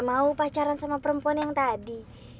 kamu gak mau pacaran sama perempuan yang tadi